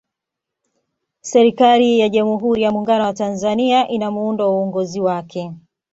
serikali ya jamhuri ya muungano wa tanzania ina muundo wa uongozi wake